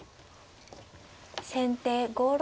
先手５六金。